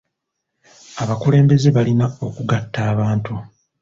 Abakulembeze balina okugatta abantu.